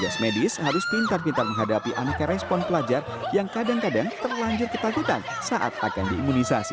petugas medis harus pintar pintar menghadapi anaknya respon pelajar yang kadang kadang terlanjur ketakutan saat akan diimunisasi